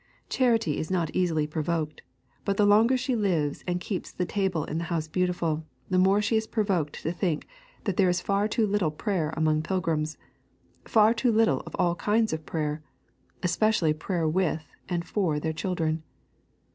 Charity is not easily provoked, but the longer she lives and keeps the table in the House Beautiful the more she is provoked to think that there is far too little prayer among pilgrims; far too little of all kinds of prayer, but especially prayer with and for their children.